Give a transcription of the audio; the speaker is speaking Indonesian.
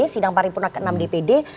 sidang pari purna ke enam dpd